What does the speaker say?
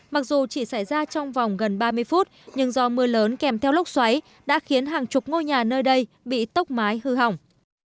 mặc dù chỉ xảy ra trong vòng gần ba mươi phút nhưng do mưa lớn kèm theo lốc xoáy đã khiến hàng chục ngôi nhà nơi đây bị tốc mái hư hỏng